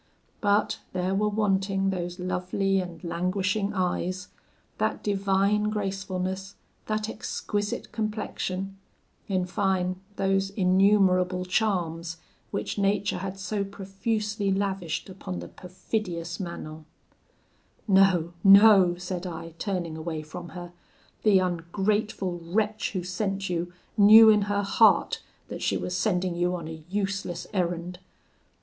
But there were wanting those lovely and languishing eyes, that divine gracefulness, that exquisite complexion, in fine, those innumerable charms which nature had so profusely lavished upon the perfidious Manon. 'No, no,' said I, turning away from her; 'the ungrateful wretch who sent you knew in her heart that she was sending you on a useless errand.